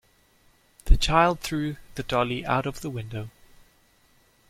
The child threw the dolly out of the window.